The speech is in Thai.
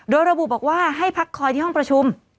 โดยระบุบอกว่าให้พักคอยที่ห้องประชุม